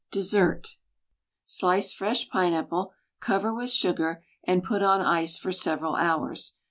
Dessert Slice fresh pineapple, cover with sugar, and put on ice for several hours.